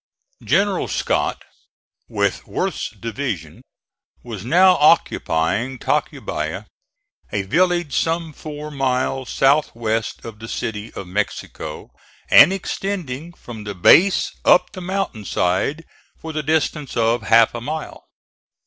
General Scott, with Worth's division, was now occupying Tacubaya, a village some four miles south west of the City of Mexico, and extending from the base up the mountain side for the distance of half a mile.